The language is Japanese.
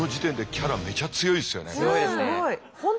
強いですね。